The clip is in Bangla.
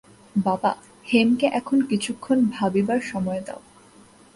বাবা, হেমকে এখন কিছুক্ষণ ভাবিবার সময় দাও।